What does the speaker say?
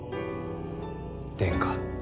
殿下。